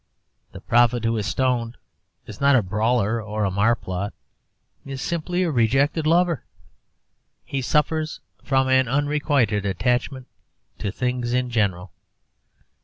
The prophet who is stoned is not a brawler or a marplot. He is simply a rejected lover. He suffers from an unrequited attachment to things in general.